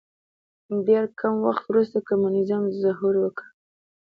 ډېر کم وخت وروسته کمونیزم ظهور وکړ.